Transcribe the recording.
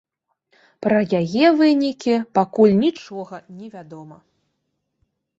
Пра яе вынікі пакуль нічога невядома.